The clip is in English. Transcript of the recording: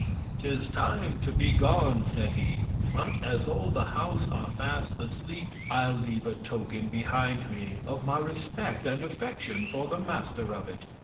'Tis Time to be gone, said he; but as all the House are fast asleep, I'll leave a Token behind me of my Respect and Affection for the Master of it.